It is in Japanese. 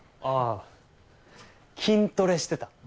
ああ筋トレしてた。